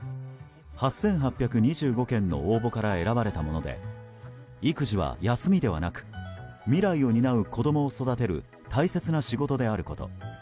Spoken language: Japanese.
８８２５件の応募から選ばれたもので育児は休みではなく未来を担う子供を育てる大切な仕事であること。